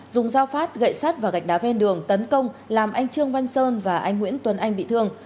dùng dao phát gậy sắt và gạch đá ven đường tấn công làm anh trương văn sơn và anh nguyễn tuấn anh bị thương